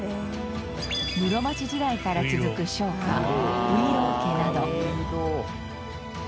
室町時代から続く商家外郎家など。